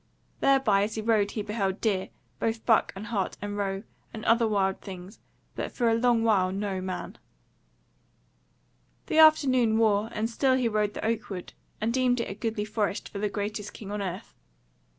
Thereby as he rode he beheld deer, both buck and hart and roe, and other wild things, but for a long while no man. The afternoon wore and still he rode the oak wood, and deemed it a goodly forest for the greatest king on earth.